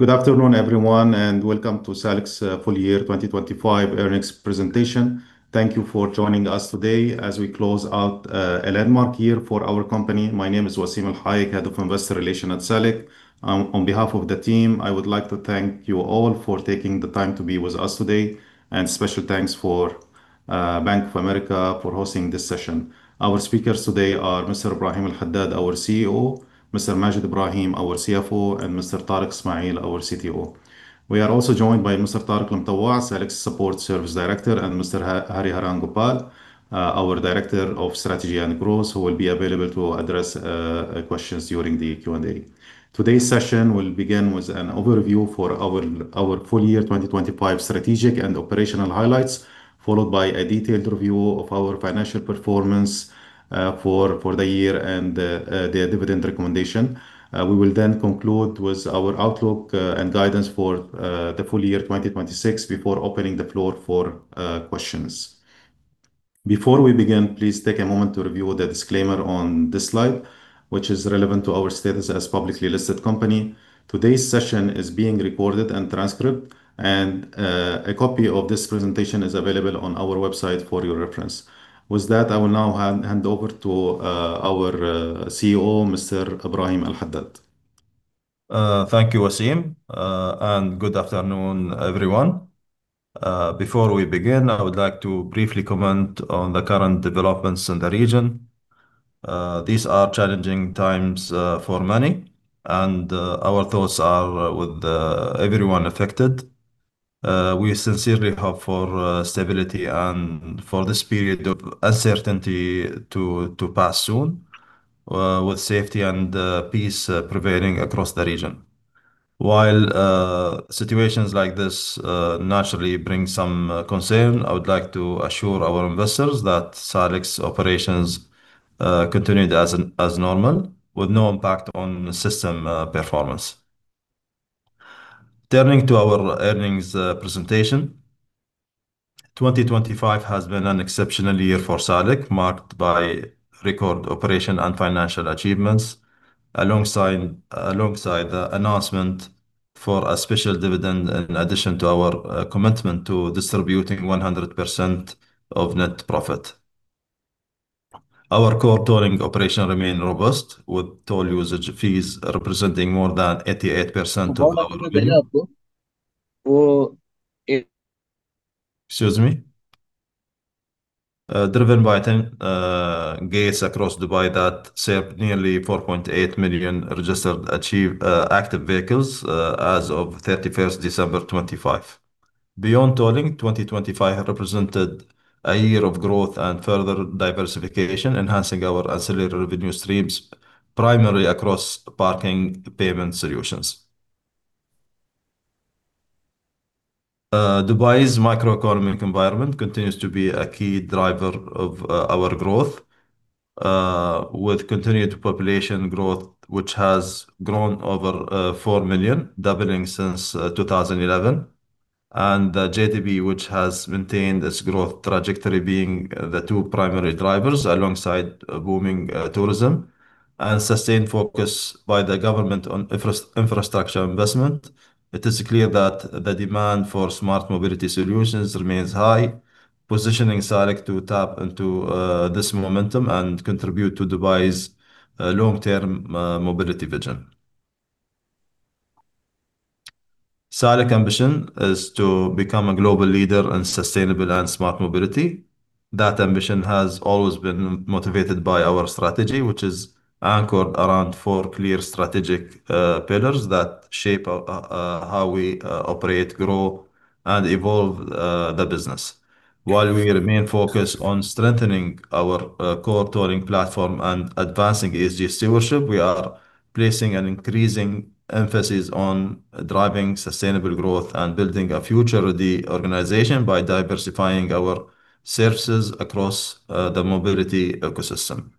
Good afternoon, everyone, and welcome to Salik's Full Year 2025 earnings presentation. Thank you for joining us today as we close out a landmark year for our company. My name is Wassim El Hayek, Head of Investor Relations at Salik. On behalf of the team, I would like to thank you all for taking the time to be with us today, and special thanks for Bank of America for hosting this session. Our speakers today are Mr. Ibrahim Al Haddad, our CEO; Mr. Maged Ibrahim, our CFO; and Mr. Tariq Ismail, our CTO. We are also joined by Mr. Tariq Al Mutawa, Salik's Support Services Director; and Mr. Hariharan Gopalakrishnan, our Director of Strategy and Growth, who will be available to address questions during the Q&A. Today's session will begin with an overview for our full year 2025 strategic and operational highlights, followed by a detailed review of our financial performance for the year and the dividend recommendation. We will then conclude with our outlook and guidance for the full year 2026 before opening the floor for questions. Before we begin, please take a moment to review the disclaimer on this slide, which is relevant to our status as publicly listed company. Today's session is being recorded and transcribed, and a copy of this presentation is available on our website for your reference. With that, I will now hand over to our CEO, Mr. Ibrahim Al Haddad. Thank you, Wassim. Good afternoon, everyone. Before we begin, I would like to briefly comment on the current developments in the region. These are challenging times for many, and our thoughts are with everyone affected. We sincerely hope for stability and for this period of uncertainty to pass soon, with safety and peace prevailing across the region. While situations like this naturally bring some concern, I would like to assure our investors that Salik's operations continued as normal with no impact on system performance. Turning to our earnings presentation. 2025 has been an exceptional year for Salik, marked by record operation and financial achievements. Alongside the announcement for a special dividend in addition to our commitment to distributing 100% of net profit. Our core tolling operation remain robust, with toll usage fees representing more than 88% of our revenue. Excuse me. Driven by 10 gates across Dubai that served nearly 4.8 million registered active vehicles as of 31st December 2025. Beyond tolling, 2025 represented a year of growth and further diversification, enhancing our ancillary revenue streams, primarily across parking payment solutions. Dubai's Microeconomic Environment continues to be a key driver of our growth, with continued population growth, which has grown over 4 million, doubling since 2011. The GDP, which has maintained its growth trajectory, being the two primary drivers alongside booming tourism and sustained focus by the government on infrastructure investment. It is clear that the demand for smart mobility solutions remains high, positioning Salik to tap into this momentum and contribute to Dubai's long-term mobility vision. Salik ambition is to become a global leader in sustainable and smart mobility. That ambition has always been motivated by our strategy, which is anchored around four clear strategic pillars that shape our how we operate, grow, and evolve the business. While we remain focused on strengthening our core tolling platform and advancing ESG stewardship, we are placing an increasing emphasis on driving sustainable growth and building a future-ready organization by diversifying our services across the mobility ecosystem.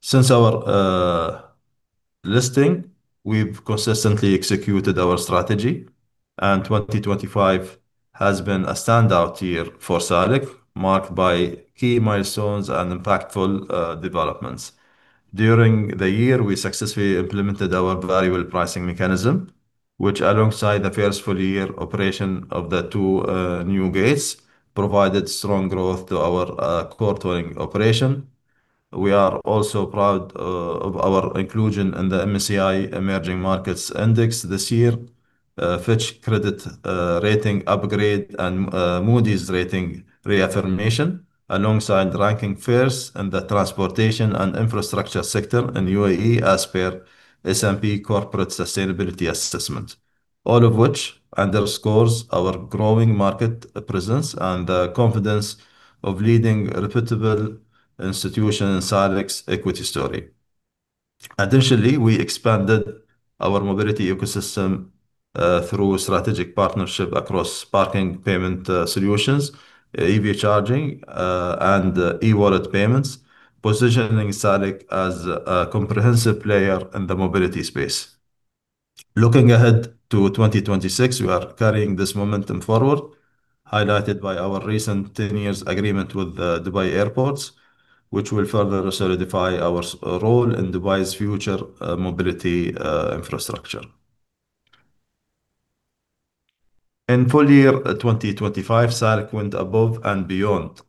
Since our listing, we've consistently executed our strategy, and 2025 has been a standout year for Salik, marked by key milestones and impactful developments. During the year, we successfully implemented our variable pricing mechanism, which alongside the first full year operation of the two new gates, provided strong growth to our core tolling operation. We are also proud of our inclusion in the MSCI Emerging Markets Index this year, Fitch credit rating upgrade, and Moody's rating reaffirmation, alongside ranking first in the transportation and infrastructure sector in UAE as per S&P Corporate Sustainability Assessment. All of which underscores our growing market presence and the confidence of leading reputable institution in Salik's equity story. Additionally, we expanded our mobility ecosystem through strategic partnership across parking payment solutions, EV charging, and e-wallet payments, positioning Salik as a comprehensive player in the mobility space. Looking ahead to 2026, we are carrying this momentum forward, highlighted by our recent 10-year agreement with Dubai Airports, which will further solidify our role in Dubai's future mobility infrastructure. In full year 2025, Salik went above and beyond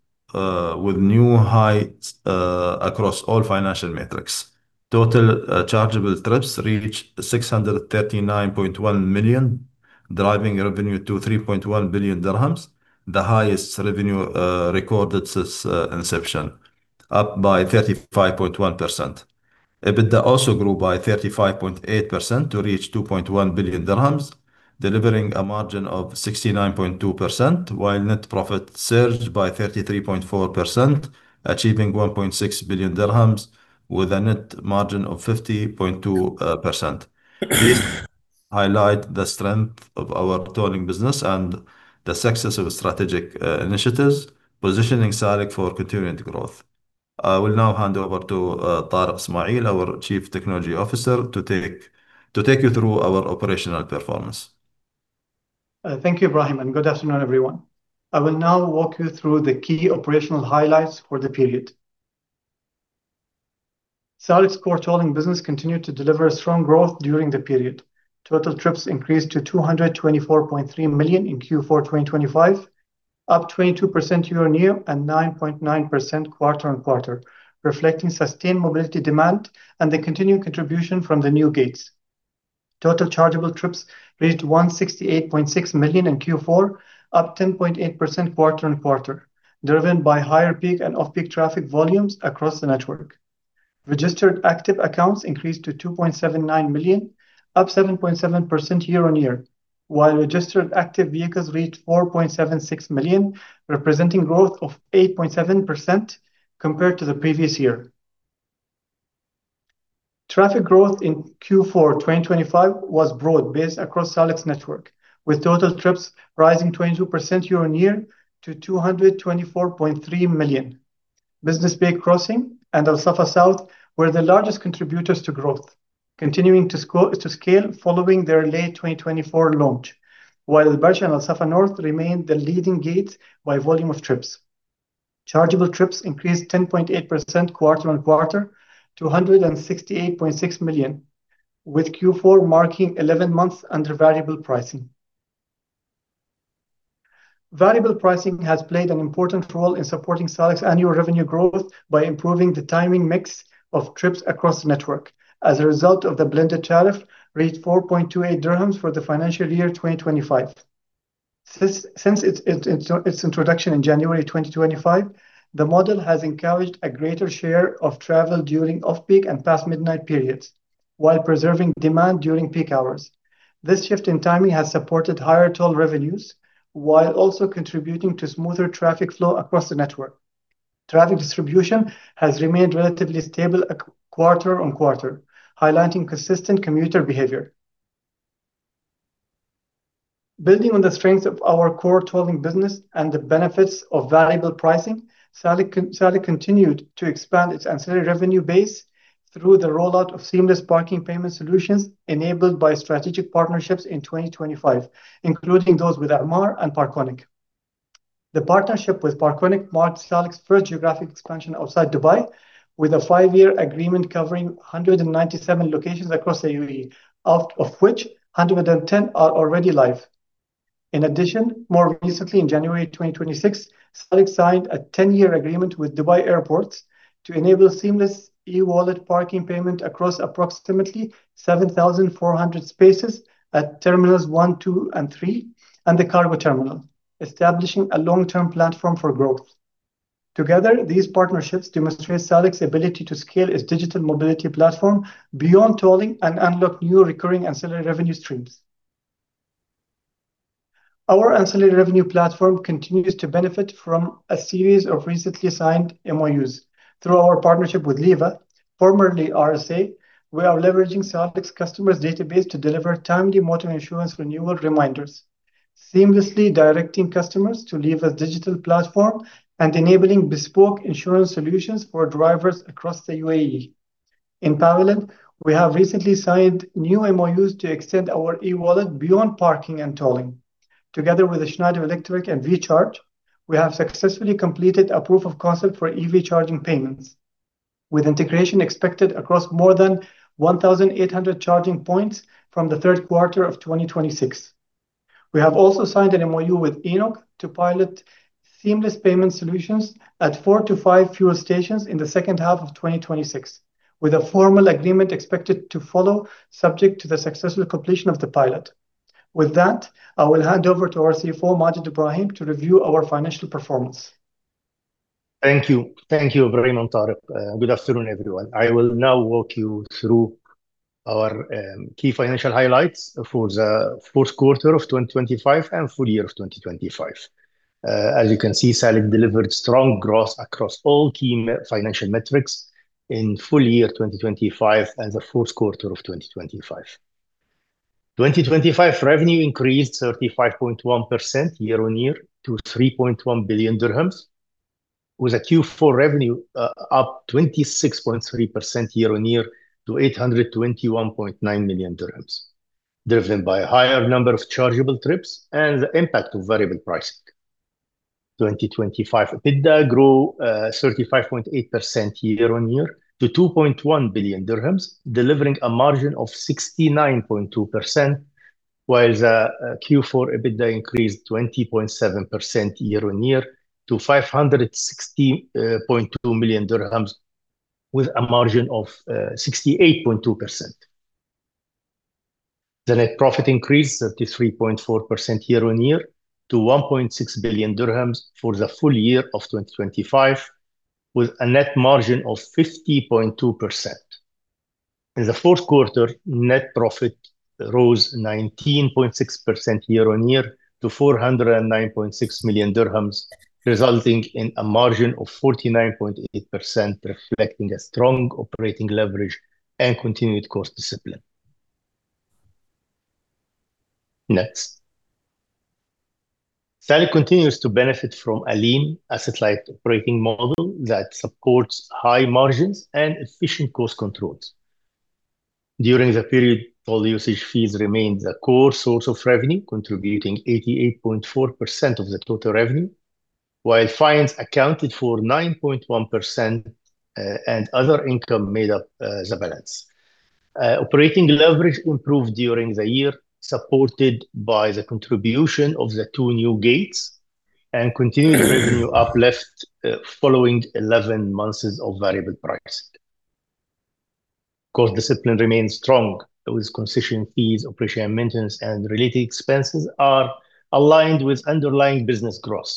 with new heights across all financial metrics. Total chargeable trips reached 639.1 million, driving revenue to 3.1 billion dirhams, the highest revenue recorded since inception, up by 35.1%. EBITDA also grew by 35.8% to reach 2.1 billion dirhams, delivering a margin of 69.2%, while net profit surged by 33.4%, achieving 1.6 billion dirhams with a net margin of 50.2%. These highlight the strength of our tolling business and the success of strategic initiatives, positioning Salik for continued growth. I will now hand over to Tariq Ismail, our Chief Technology Officer, to take you through our operational performance. Thank you, Ibrahim, good afternoon, everyone. I will now walk you through the key operational highlights for the period. Salik's core tolling business continued to deliver strong growth during the period. Total trips increased to 224.3 million in Q4 2025, up 22% year-on-year and 9.9% quarter-on-quarter, reflecting sustained mobility demand and the continued contribution from the new gates. Total chargeable trips reached 168.6 million in Q4, up 10.8% quarter-on-quarter, driven by higher peak and off-peak traffic volumes across the network. Registered active accounts increased to 2.79 million, up 7.7% year-on-year, while registered active vehicles reached 4.76 million, representing growth of 8.7% compared to the previous year. Traffic growth in Q4 2025 was broad-based across Salik's network, with total trips rising 22% year-on-year to 224.3 million. Business Bay Crossing and Al Safa South were the largest contributors to growth, continuing to scale following their late 2024 launch, while Bur and Al Safa North remained the leading gates by volume of trips. Chargeable trips increased 10.8% quarter-on-quarter to 168.6 million, with Q4 marking 11 months under variable pricing. Variable pricing has played an important role in supporting Salik's annual revenue growth by improving the timing mix of trips across the network. As a result of the blended tariff reached 4.28 dirhams for the financial year 2025. Since its introduction in January 2025, the model has encouraged a greater share of travel during off-peak and past midnight periods while preserving demand during peak hours. This shift in timing has supported higher toll revenues while also contributing to smoother traffic flow across the network. Traffic distribution has remained relatively stable quarter-on-quarter, highlighting consistent commuter behavior. Building on the strength of our core tolling business and the benefits of variable pricing, Salik continued to expand its ancillary revenue base through the rollout of seamless parking payment solutions enabled by strategic partnerships in 2025, including those with Emaar and Parkonic. The partnership with Parkonic marks Salik's first geographic expansion outside Dubai with a five-year agreement covering 197 locations across the UAE, out of which 110 are already live. In addition, more recently in January 2026, Salik signed a 10-year agreement with Dubai Airports to enable seamless e-wallet parking payment across approximately 7,400 spaces at terminals one, two, and three, and the cargo terminal, establishing a long-term platform for growth. Together, these partnerships demonstrate Salik's ability to scale its digital mobility platform beyond tolling and unlock new recurring ancillary revenue streams. Our ancillary revenue platform continues to benefit from a series of recently signed MOUs. Through our partnership with Liva, formerly RSA, we are leveraging Salik's customers' database to deliver timely motor insurance renewal reminders, seamlessly directing customers to Liva's digital platform and enabling bespoke insurance solutions for drivers across the UAE. In parallel, we have recently signed new MOUs to extend our e-wallet beyond parking and tolling. Together with Schneider Electric and Vcharge, we have successfully completed a proof of concept for EV charging payments, with integration expected across more than 1,800 charging points from the third quarter of 2026. We have also signed an MOU with ENOC to pilot seamless payment solutions at 4-5 fuel stations in the second half of 2026, with a formal agreement expected to follow subject to the successful completion of the pilot. With that, I will hand over to our CFO, Maged Ibrahim, to review our financial performance. Thank you. Thank you, Ibrahim and Tariq. Good afternoon, everyone. I will now walk you through our key financial highlights for the fourth quarter of 2025 and full year 2025. As you can see, Salik delivered strong growth across all key financial metrics in full year 2025 and the fourth quarter of 2025. 2025 revenue increased 35.1% year-on-year to 3.1 billion dirhams. With a Q4 revenue, up 26.3% year-on-year to 821.9 million dirhams, driven by a higher number of chargeable trips and the impact of variable pricing. 2025 EBITDA grew 35.8% year-on-year to 2.1 billion dirhams, delivering a margin of 69.2%, whilst Q4 EBITDA increased 20.7% year-on-year to 560.2 million dirhams with a margin of 68.2%. The net profit increased 33.4% year-on-year to 1.6 billion dirhams for the full year of 2025, with a net margin of 50.2%. In the fourth quarter, net profit rose 19.6% year-on-year to 409.6 million dirhams, resulting in a margin of 49.8%, reflecting a strong operating leverage and continued cost discipline. Next. Salik continues to benefit from a lean asset-light operating model that supports high margins and efficient cost controls. During the period, toll usage fees remained the core source of revenue, contributing 88.4% of the total revenue, while fines accounted for 9.1%, and other income made up the balance. Operating leverage improved during the year, supported by the contribution of the two new gates and continued revenue uplift, following 11 months of variable pricing. Cost discipline remains strong with concession fees, operation and maintenance, and related expenses are aligned with underlying business growth.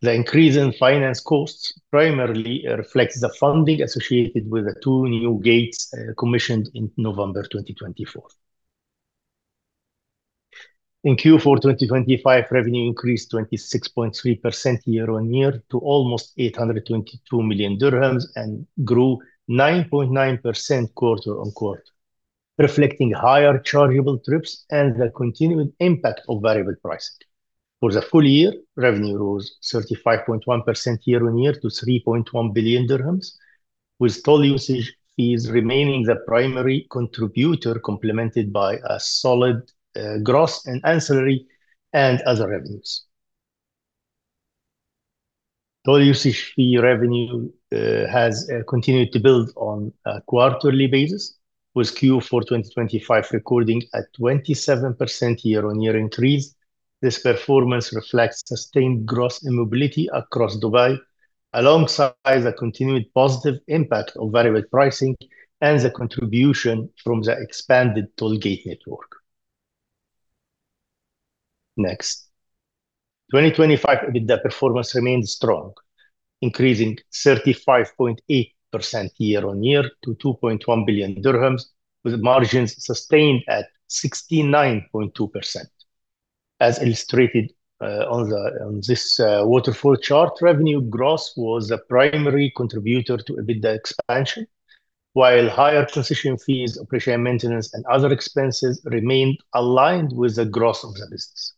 The increase in finance costs primarily reflects the funding associated with the two new gates, commissioned in November 2024. In Q4 2025, revenue increased 26.3% year-on-year to almost 822 million dirhams and grew 9.9% quarter-on-quarter, reflecting higher chargeable trips and the continuing impact of variable pricing. For the full year, revenue rose 35.1% year-on-year to 3.1 billion dirhams, with toll usage fees remaining the primary contributor, complemented by a solid gross and ancillary and other revenues. Toll usage fee revenue has continued to build on a quarterly basis, with Q4 2025 recording a 27% year-on-year increase. This performance reflects sustained growth in mobility across Dubai, alongside the continued positive impact of variable pricing and the contribution from the expanded toll gate network. Next. 2025 EBITDA performance remained strong, increasing 35.8% year-on-year to 2.1 billion dirhams, with margins sustained at 69.2%. As illustrated on this waterfall chart, revenue growth was the primary contributor to EBITDA expansion, while higher concession fees, operation and maintenance and other expenses remained aligned with the growth of the business.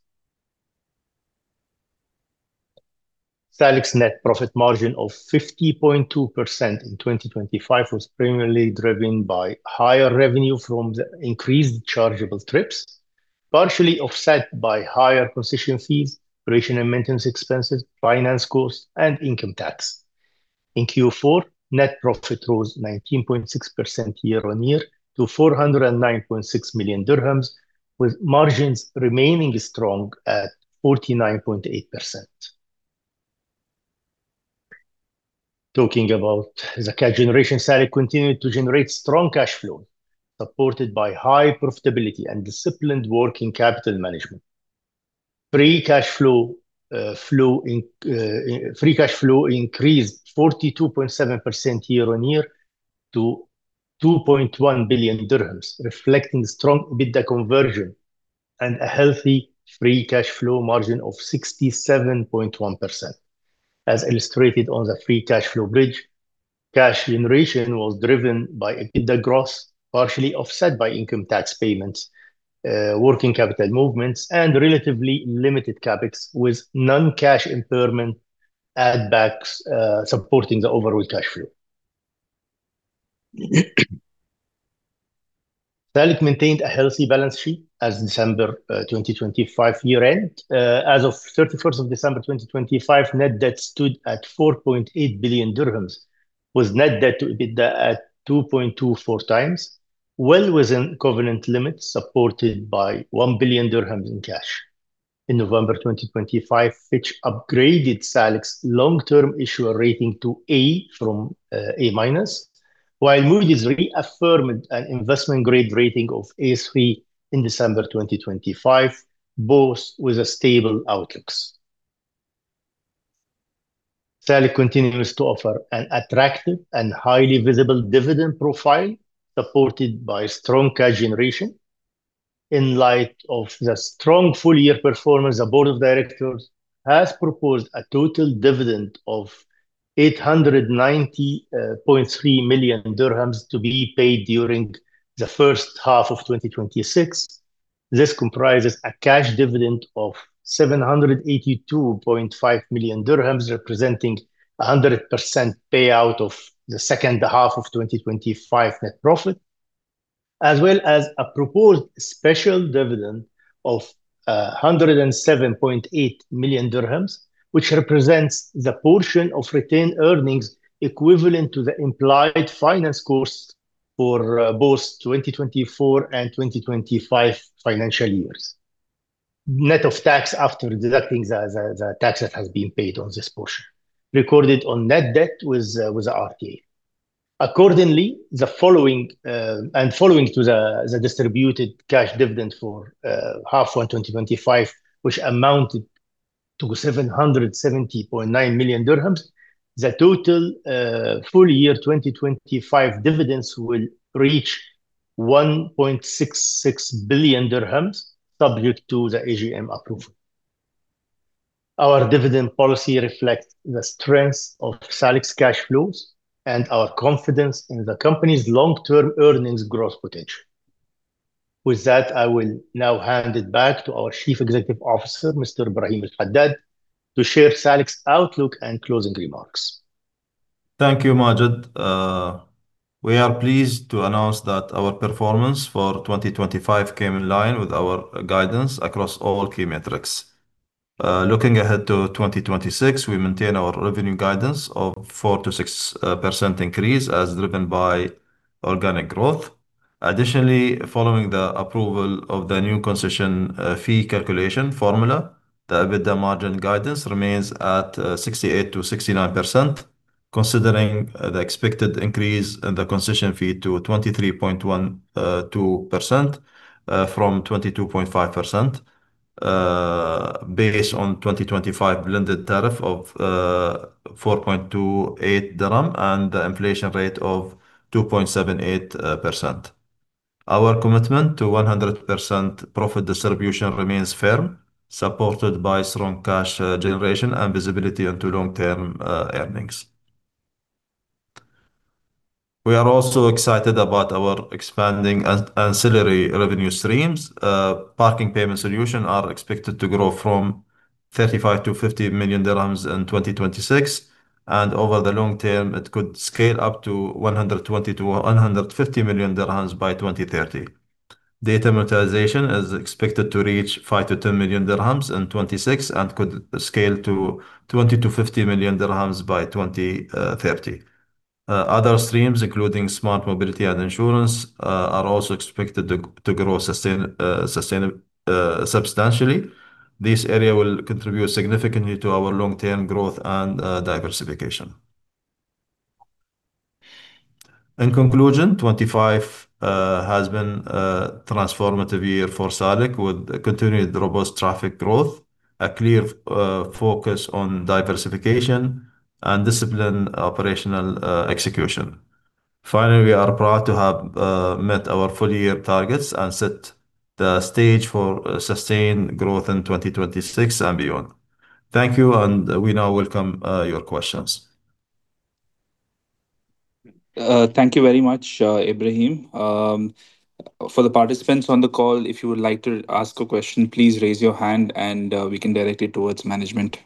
Salik's net profit margin of 50.2% in 2025 was primarily driven by higher revenue from the increased chargeable trips, partially offset by higher concession fees, operation and maintenance expenses, finance costs, and income tax. In Q4, net profit rose 19.6% year-on-year to 409.6 million dirhams, with margins remaining strong at 49.8%. Talking about the cash generation, Salik continued to generate strong cash flow, supported by high profitability and disciplined working capital management. Free cash flow increased 42.7% year-on-year to 2.1 billion dirhams, reflecting strong EBITDA conversion and a healthy free cash flow margin of 67.1%. As illustrated on the free cash flow bridge, cash generation was driven by EBITDA growth, partially offset by income tax payments, working capital movements, and relatively limited CapEx, with non-cash impairment add-backs, supporting the overall cash flow. Salik maintained a healthy balance sheet as December 2025 year-end. As of 31st of December 2025, net debt stood at 4.8 billion dirhams, with net debt-to-EBITDA at 2.24 times, well within covenant limits, supported by 1 billion dirhams in cash. In November 2025, Fitch upgraded Salik's long-term issuer rating to A from A-, while Moody's reaffirmed an investment grade rating of A3 in December 2025, both with a stable outlooks. Salik continues to offer an attractive and highly visible dividend profile supported by strong cash generation. In light of the strong full-year performance, the board of directors has proposed a total dividend of 890.3 million dirhams to be paid during the first half of 2026. This comprises a cash dividend of 782.5 million dirhams, representing a 100% payout of the second half of 2025 net profit, as well as a proposed special dividend of 107.8 million dirhams, which represents the portion of retained earnings equivalent to the implied finance cost for both 2024 and 2025 financial years. Net of tax after deducting the tax that has been paid on this portion recorded on net debt with RTA. Accordingly, and following to the distributed cash dividend for half 1 2025, which amounted to 770.9 million dirhams. The total full year 2025 dividends will reach 1.66 billion dirhams subject to the AGM approval. Our dividend policy reflects the strengths of Salik's cash flows and our confidence in the company's long-term earnings growth potential. With that, I will now hand it back to our Chief Executive Officer, Mr. Ibrahim Al Haddad, to share Salik's outlook and closing remarks. Thank you, Maged. We are pleased to announce that our performance for 2025 came in line with our guidance across all key metrics. Looking ahead to 2026, we maintain our revenue guidance of 4%-6% increase as driven by organic growth. Following the approval of the new concession fee calculation formula, the EBITDA margin guidance remains at 68%-69%, considering the expected increase in the concession fee to 23.12% from 22.5%, based on 2025 blended tariff of 4.28 dirham and the inflation rate of 2.78%. Our commitment to 100% profit distribution remains firm, supported by strong cash generation and visibility into long-term earnings. We are also excited about our expanding ancillary revenue streams. Parking payment solution are expected to grow from 35 million-50 million dirhams in 2026, and over the long term, it could scale up to 120 million-150 million dirhams by 2030. Data monetization is expected to reach 5 million-10 million dirhams in 2026 and could scale to 20 million-50 million dirhams by 2030. Other streams, including smart mobility and insurance, are also expected to grow substantially. This area will contribute significantly to our long-term growth and diversification. In conclusion, 2025 has been a transformative year for Salik with continued robust traffic growth, a clear focus on diversification, and disciplined operational execution. Finally, we are proud to have met our full-year targets and set the stage for sustained growth in 2026 and beyond. Thank you. We now welcome your questions. Thank you very much, Ibrahim. For the participants on the call, if you would like to ask a question, please raise your hand, and we can direct it towards management.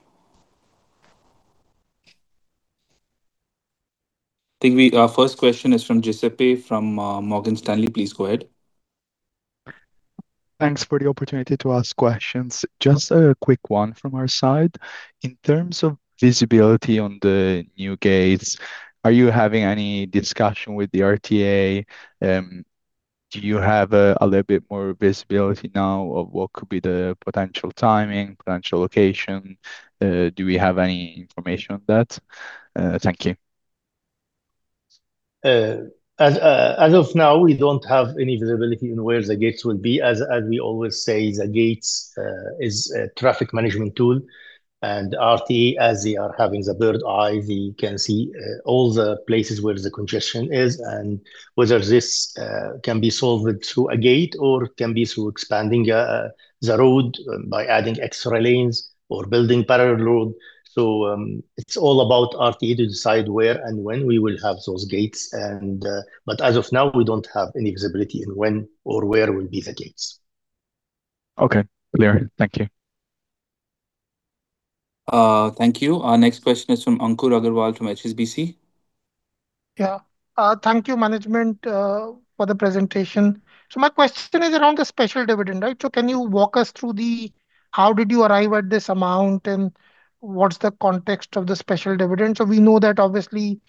I think our first question is from Giuseppe from Morgan Stanley. Please go ahead. Thanks for the opportunity to ask questions. Just a quick one from our side. In terms of visibility on the new gates, are you having any discussion with the RTA? Do you have a little bit more visibility now of what could be the potential timing, potential location? Do we have any information on that? Thank you. As of now, we don't have any visibility in where the gates will be. As we always say, the gates is a traffic management tool, and RTA, as they are having the bird eye view can see all the places where the congestion is and whether this can be solved through a gate or can be through expanding the road by adding extra lanes or building parallel road. It's all about RTA to decide where and when we will have those gates and. As of now, we don't have any visibility in when or where will be the gates. Okay. Clear. Thank you. Thank you. Our next question is from Ankur Aggarwal from HSBC. Yeah. Thank you, management, for the presentation. My question is around the special dividend, right? Can you walk us through the how did you arrive at this amount, and what's the context of the special dividend? We know that obviously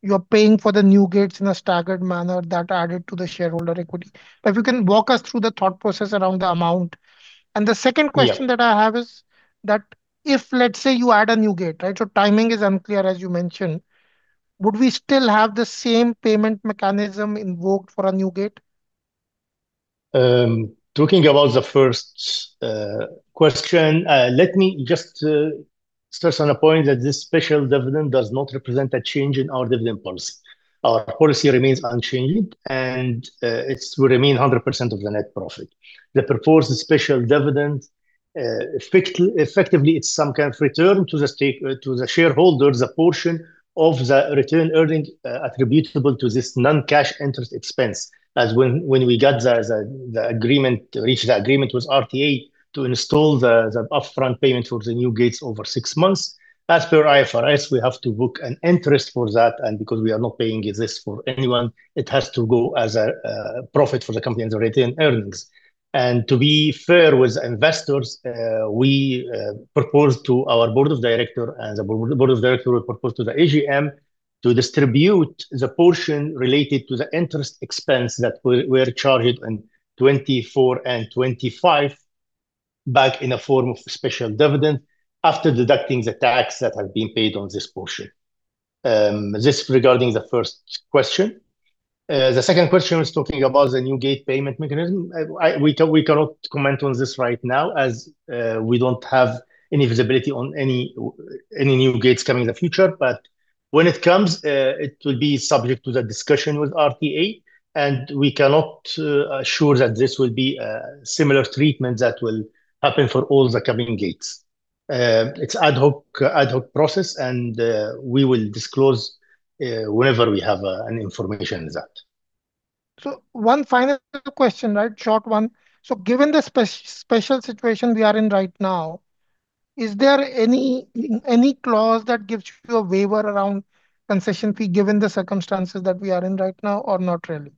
you're paying for the new gates in a staggered manner that added to the shareholder equity. If you can walk us through the thought process around the amount. The second question. Yeah. that I have is that if let's say you add a new gate, right? Timing is unclear, as you mentioned. Would we still have the same payment mechanism invoked for a new gate? Talking about the first question, let me just stress on a point that this special dividend does not represent a change in our dividend policy. Our policy remains unchanged. It would remain 100% of the net profit. The proposed special dividend effectively, it's some kind of return to the shareholders, a portion of the return earnings attributable to this non-cash interest expense. When we reached the agreement with RTA to install the upfront payment for the new gates over six months. As per IFRS, we have to book an interest for that. Because we are not paying this for anyone, it has to go as a profit for the company's retained earnings. To be fair with investors, we proposed to our Board of Directors, and the Board of Directors will propose to the AGM to distribute the portion related to the interest expense that we're charging in 2024 and 2025 back in the form of special dividend after deducting the tax that have been paid on this portion. This regarding the first question. The second question was talking about the new gate payment mechanism. We cannot comment on this right now as we don't have any visibility on any new gates coming in the future. When it comes, it will be subject to the discussion with RTA, and we cannot assure that this will be a similar treatment that will happen for all the coming gates. It's ad hoc process, and we will disclose whenever we have any information on that. One final question, right? Short one. Given the special situation we are in right now, is there any clause that gives you a waiver around concession fee, given the circumstances that we are in right now or not really?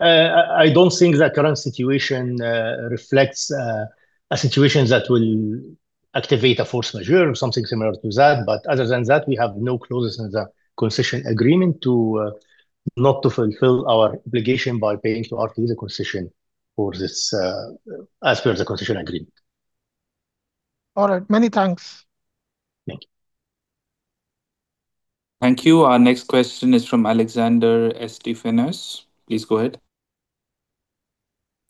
I don't think the current situation reflects a situation that will activate a force majeure or something similar to that. Other than that, we have no clauses in the concession agreement to not to fulfill our obligation by paying to RTA the concession for this as per the concession agreement. All right. Many thanks. Thank you. Thank you. Our next question is from Alexander Estefanus. Please go ahead.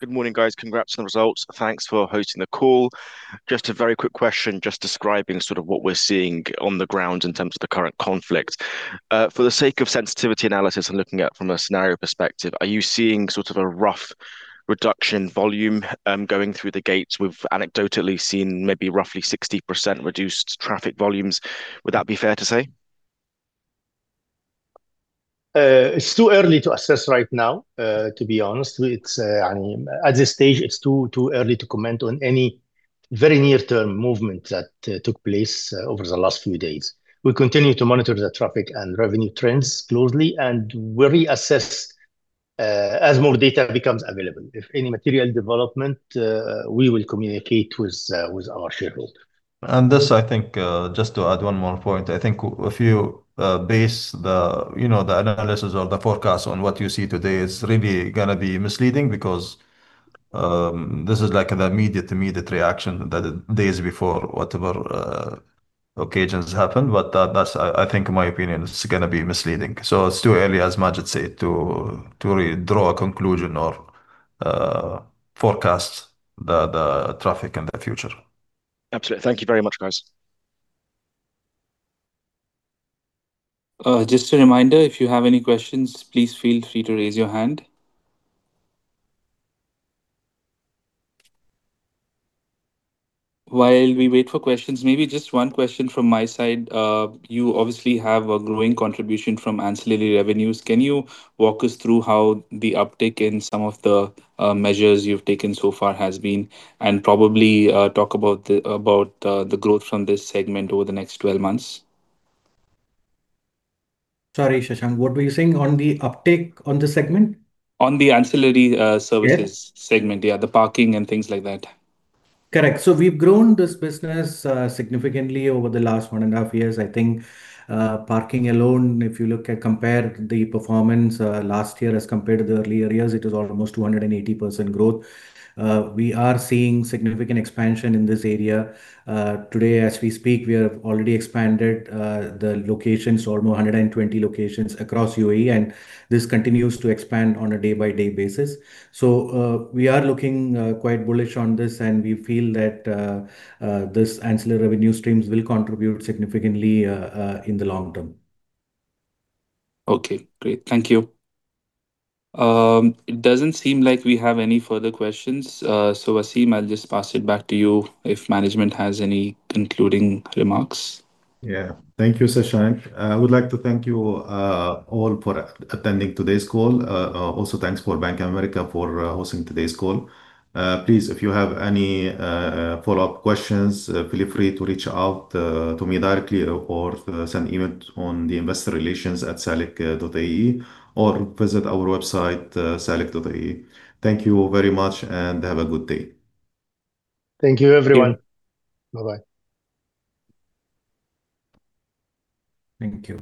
Good morning, guys. Congrats on the results. Thanks for hosting the call. Just a very quick question, just describing sort of what we're seeing on the ground in terms of the current conflict. For the sake of sensitivity analysis and looking at from a scenario perspective, are you seeing sort of a rough reduction volume going through the gates? We've anecdotally seen maybe roughly 60% reduced traffic volumes. Would that be fair to say? It's too early to assess right now, to be honest. It's, I mean, at this stage, it's too early to comment on any very near-term movement that took place over the last few days. We continue to monitor the traffic and revenue trends closely, and we'll reassess as more data becomes available. If any material development, we will communicate with our shareholder. This, I think, just to add one more point. I think if you base the, you know, the analysis or the forecast on what you see today, it's really gonna be misleading because this is like an immediate reaction that days before whatever occasions happen. That's, I think, in my opinion, is gonna be misleading. It's too early, as Maged said, to really draw a conclusion or forecast the traffic in the future. Absolutely. Thank you very much, guys. Just a reminder, if you have any questions, please feel free to raise your hand. While we wait for questions, maybe just one question from my side. You obviously have a growing contribution from ancillary revenues. Can you walk us through how the uptick in some of the measures you've taken so far has been, and probably talk about the growth from this segment over the next 12 months? Sorry, Shashank. What were you saying? On the uptake on the segment? On the ancillary, services. Yes. segment. Yeah, the parking and things like that. Correct. We've grown this business significantly over the last one and a half years. I think, parking alone, compare the performance last year as compared to the earlier years, it is almost 280% growth. We are seeing significant expansion in this area. Today, as we speak, we have already expanded the locations to almost 120 locations across UAE, and this continues to expand on a day-by-day basis. We are looking quite bullish on this, and we feel that this ancillary revenue streams will contribute significantly in the long term. Okay, great. Thank you. It doesn't seem like we have any further questions. Wassim, I'll just pass it back to you if management has any concluding remarks. Yeah. Thank you, Shashank. I would like to thank you, all for attending today's call. Also thanks for Bank of America for hosting today's call. Please, if you have any follow-up questions, feel free to reach out to me directly or send email on the investorrelations@salik.ae or visit our website, salik.ae. Thank you very much, and have a good day. Thank you, everyone. Thank you. Bye-bye. Thank you.